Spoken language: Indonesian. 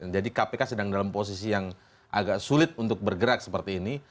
jadi kpk sedang dalam posisi yang agak sulit untuk bergerak seperti ini